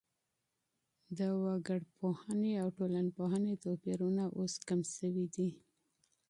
د وګړپوهني او ټولنپوهني توپيرونه اوس کم سوي دي.